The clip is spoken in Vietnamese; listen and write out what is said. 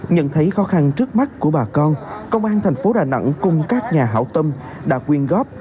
nhận thấy khó khăn trước mắt của bà con công an thành phố đà nẵng cùng các nhà hảo tâm đã quyên góp